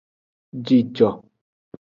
Jijo.